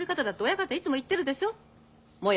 もう一ついつも言ってるでしょ。